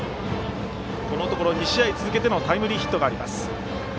このところ２試合続けてのタイムリーヒットがあります。